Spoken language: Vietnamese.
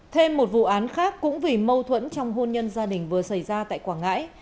thêm một vụ án khác cũng vì mâu thuẫn trong hôn nhân gia đình vừa xảy ra tại quảng ngãi